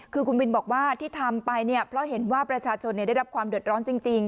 คือคุณบินบอกว่าที่ทำไปเนี่ยเพราะเห็นว่าประชาชนได้รับความเดือดร้อนจริง